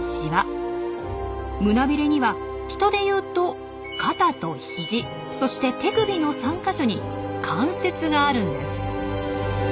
胸びれには人で言うと肩と肘そして手首の３か所に関節があるんです。